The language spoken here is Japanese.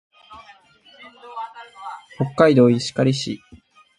北海道石狩市